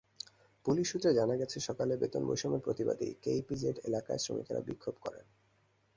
Police সূত্রে জানা গেছে, সকালে বেতন-বৈষম্যের প্রতিবাদে কেইপিজেড এলাকায় শ্রমিকেরা বিক্ষোভ করেন।